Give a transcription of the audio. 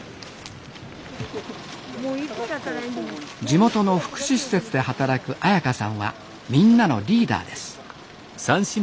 地元の福祉施設で働く朱伽さんはみんなのリーダーです。